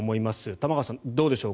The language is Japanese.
玉川さん、どうでしょう。